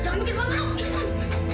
jangan bikin mak mau